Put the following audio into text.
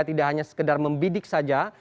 tidak hanya sekedar membidik saja